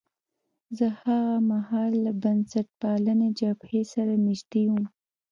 زه هاغه مهال له بنسټپالنې جبهې سره نژدې وم.